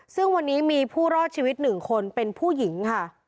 ซึ่งวันนี้มีผู้รอดชีวิต๑คนเป็นผู้หญิงค่ะ